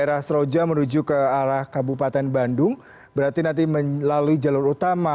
arah seroja menuju ke arah kabupaten bandung berarti nanti melalui jalur utama